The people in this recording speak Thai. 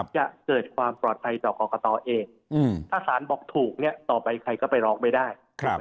จะเกิดความปลอดภัยต่อกรกตเองถ้าสารบอกถูกเนี่ยต่อไปใครก็ไปร้องไม่ได้